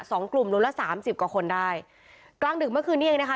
สองกลุ่มรวมละสามสิบกว่าคนได้กลางดึกเมื่อคืนนี้เองนะคะ